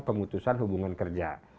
pengutusan hubungan kerja